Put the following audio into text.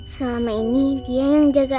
selama ini dia yang jaga